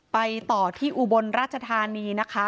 ไปต่อที่อุบลราชธานีนะคะ